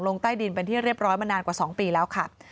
ใต้ดินเป็นที่เรียบร้อยมานานกว่า๒ปีแล้วค่ะ